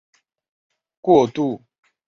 过度换气综合症是晕眩症十分常见的诱因。